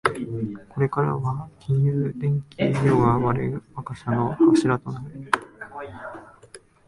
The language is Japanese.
これからは金融、電機、医療が我が社の柱になる